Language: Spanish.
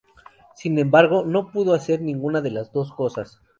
Sin embargo, no pudo hacer ninguna de las dos cosas.